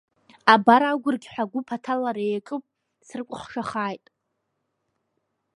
Абар агәырқьҳәа агәыԥ аҭалара иаҿуп срыкәыхшахааит.